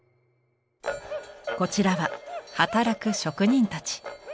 こちらは働く職人たち。